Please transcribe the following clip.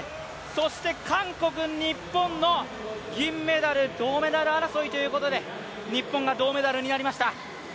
そして韓国、日本の銀メダル、銅メダル争いということで日本が銅メダルになりました。